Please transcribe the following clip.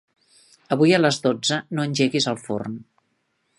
Avui a les dotze no engeguis el forn.